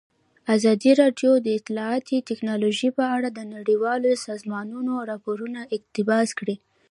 ازادي راډیو د اطلاعاتی تکنالوژي په اړه د نړیوالو سازمانونو راپورونه اقتباس کړي.